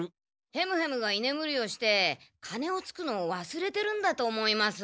ヘムヘムがいねむりをしてカネをつくのをわすれてるんだと思います。